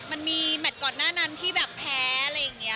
มันมีแมทก่อนหน้านั้นที่แบบแพ้อะไรอย่างนี้